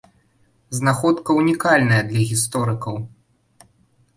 Знаходка ўнікальная для гісторыкаў.